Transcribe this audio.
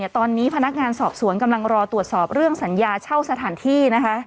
ตอนนี้พนักงานสอบสวนกำลังรอตรวจสอบเรื่องสัญญาเช่าสถานที่นะคะ